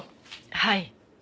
はい。